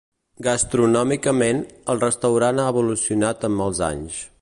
Gastronòmicament, el restaurant ha evolucionat amb els anys.